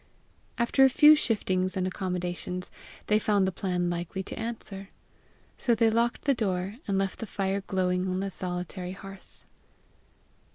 After a few shiftings and accommodations, they found the plan likely to answer. So they locked the door, and left the fire glowing on the solitary hearth.